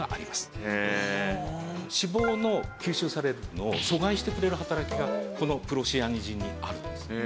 脂肪の吸収されるのを阻害してくれる働きがこのプロシアニジンにあるんです。